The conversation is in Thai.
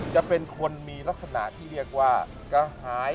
จะเป็นคนมีลักษณะที่เรียกว่ากระหาย